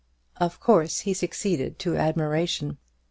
Of course he succeeded to admiration.